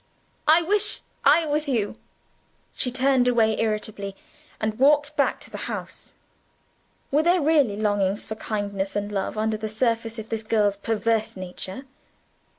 "I wish I was you." She turned away irritably, and walked back to the house. Were there really longings for kindness and love under the surface of this girl's perverse nature?